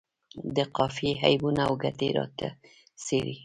د قافیې عیبونه او ګټې راته څیړي.